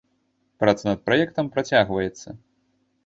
Праца над праектам працягваецца.